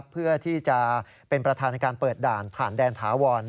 เพื่อที่จะเป็นประธานในการเปิดด่านผ่านแดนถาวร